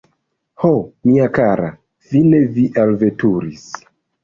Ho, mia kara, fine vi alveturis!